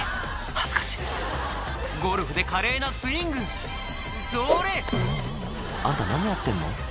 恥ずかしい「ゴルフで華麗なスイングそれ！」あんた何やってんの？